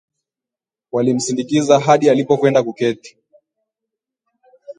Walimsindikiza hadi alipokwenda kuketi